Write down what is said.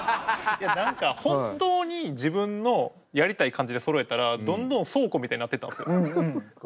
いや何か本当に自分のやりたい感じでそろえたらどんどん倉庫みたいになってったんですよ。